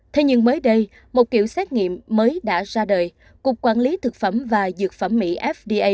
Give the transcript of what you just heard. thế nhưng mới đây một kiểu xét nghiệm mới đã ra đời cục quản lý thực phẩm và dược phẩm mỹ fda